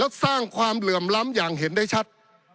และสร้างความเหลื่อมล้ำอย่างเห็นได้ชัด